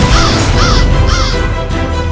saya tidak mau merubah